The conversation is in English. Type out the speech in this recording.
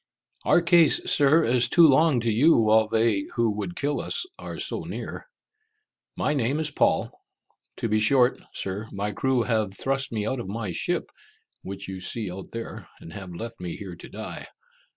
"Our case, Sir, is too long to you while they who would kill us are so near. My name is Paul. To be short, Sir, my crew have thrust me out of my ship, which you see out there, and have left me here to die.